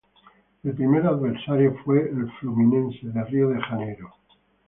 El primer adversario fue el Fluminense de Río de Janeiro.